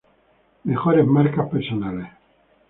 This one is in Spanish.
Mejores marcas personales